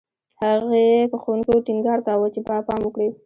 هغې په ښوونکو ټینګار کاوه چې پام وکړي